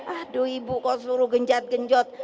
aduh ibu kau suruh genjat genjot